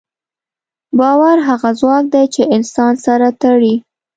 باور هغه ځواک دی، چې انسانان سره تړي.